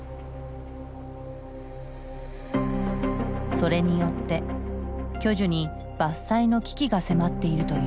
それによって巨樹に伐採の危機が迫っているという。